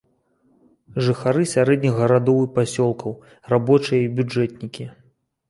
Жыхары сярэдніх гарадоў і пасёлкаў, рабочыя і бюджэтнікі.